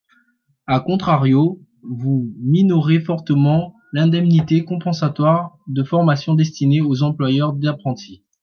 A contrario, vous minorez fortement l’indemnité compensatoire de formation destinée aux employeurs d’apprentis.